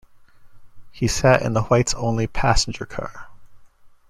He sat in the "whites-only" passenger car.